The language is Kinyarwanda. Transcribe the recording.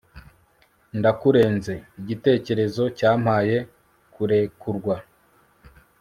ndakurenze ... igitekerezo cyampaye kurekurwa